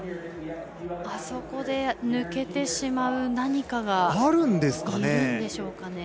あそこで抜けてしまう何かがいるんでしょうか。